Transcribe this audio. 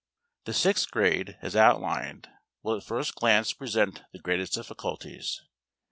The sixth grade, as outlined, will at first glance present the greatest difficulties.